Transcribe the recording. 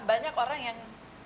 banyak orang yang